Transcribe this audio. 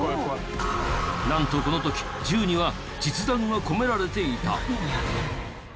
なんとこの時銃には実弾が込められていた。